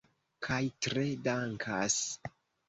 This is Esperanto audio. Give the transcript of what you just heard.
Kaj tre dankas.